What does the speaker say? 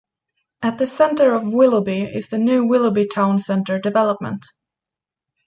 At the centre of Willoughby is the new Willoughby Town Centre development.